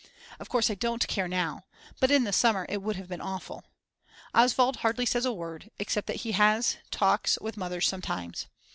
Of course I don't care now. But in the summer it would have been awful. Oswald hardly says a word, except that he has talks with Mother sometimes.